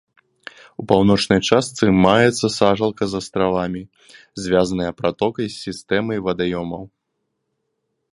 У паўночнай частцы маецца сажалка з астравамі, звязаная пратокай з сістэмай вадаёмаў.